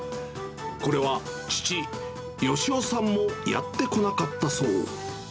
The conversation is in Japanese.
これは、父、芳央さんもやってこなかったそう。